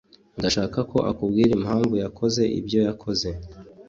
Ndashaka ko akubwira impamvu yakoze ibyo yakoze.